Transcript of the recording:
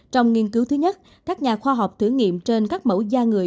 trong nghiên cứu thứ nhất các nhà khoa học thử nghiệm trên các mẫu da người